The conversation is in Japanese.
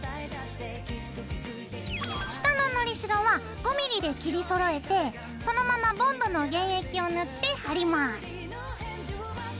下ののりしろは５ｍｍで切りそろえてそのままボンドの原液を塗って貼ります。